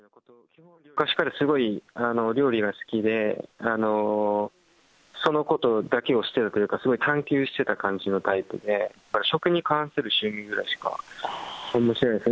昔からすごい料理が好きで、そのことだけをしているというか、すごい探求してた感じのタイプで、食に関する趣味ぐらいしか知らないです。